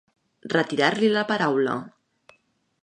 Retirar-li la paraula.